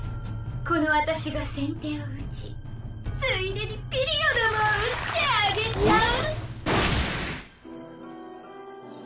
この私が先手を打ちついでにピリオドも打ってあげちゃう。